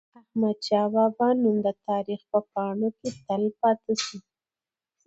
د احمد شاه بابا نوم د تاریخ په پاڼو کي تل پاتي سو.